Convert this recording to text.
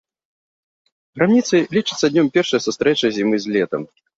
Грамніцы лічацца днём першай сустрэчы зімы з летам.